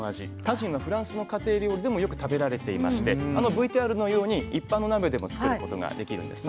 タジンはフランスの家庭料理でもよく食べられていましてあのＶＴＲのように一般の鍋でも作ることができるんですね。